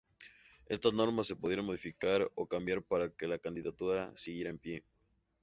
Estas normas se podrían modificar o cambiar para que la candidatura siguiera en pie.